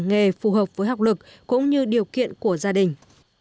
nghề phù hợp với học lực cũng như điều kiện của gia đình